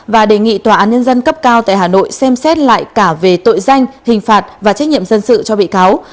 và đề nghị tòa án nhân dân cấp cao tại hà nội xem xét lại cả về tội danh hình phạt và trách nhiệm dân sự cho bị cáo